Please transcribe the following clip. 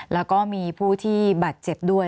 แล้วก็มีผู้ที่บาดเจ็บด้วย